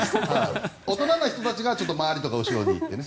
大人な人たちがちょっと周りとか後ろにいてね。